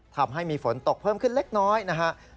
ทำให้มีฝนตกเพิ่มขึ้นเล็กน้อยนะครับ